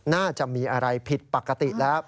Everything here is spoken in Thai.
น่าจะมีอะไรผิดปกติแล้ว